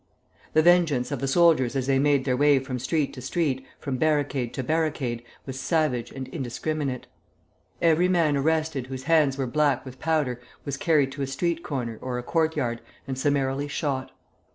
The vengeance of the soldiers as they made their way from street to street, from barricade to barricade, was savage and indiscriminate. Every man arrested whose hands were black with powder was carried to a street corner or a courtyard, and summarily shot.